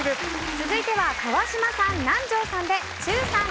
続いては川島さん南條さんで中３英語です。